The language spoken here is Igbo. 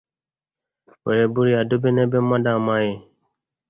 wee buru ya ga dobe n'ebe mmadụ amaghị.